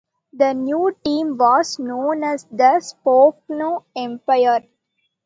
The new team was known as the Spokane Empire.